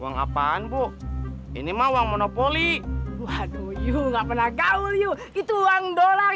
uang apaan bu ini mah uang monopoli waduh yuk nggak pernah gaul yuk itu uang dolar